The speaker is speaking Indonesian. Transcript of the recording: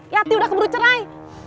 yati udah keburu cerai